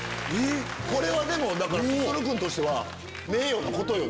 これはＳＵＳＵＲＵ君としては名誉なことよね。